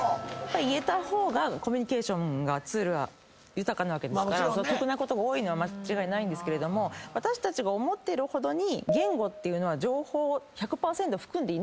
言えた方がコミュニケーションツール豊かなわけですから得なことが多いのは間違いないんですけれども私たちが思ってるほどに。